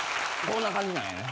こんな感じなんやね。